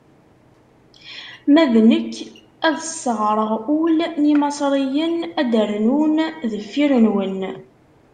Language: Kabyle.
Ma d nekk, ad sseɣreɣ ul n Imaṣriyen, ad d-rnun deffir-nwen.